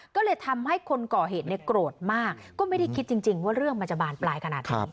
ก็เลยทำให้คนก่อเหตุเนี่ยโกรธมากก็ไม่ได้คิดจริงว่าเรื่องมันจะบานปลายขนาดนี้